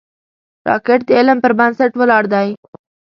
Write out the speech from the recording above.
راکټ د علم پر بنسټ ولاړ دی